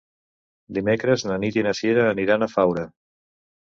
Dimecres na Nit i na Sira aniran a Faura.